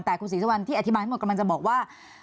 แต่คุณศรีสุวรรณที่อธิบายให้หมดกำลังจะบอกว่า